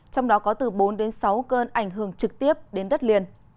trong đó có từ bốn đến sáu cơn ảnh hưởng trực tiếp đến đất liền